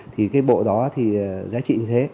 thì cái bộ đó thì giá trị như thế